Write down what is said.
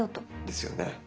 ですよね。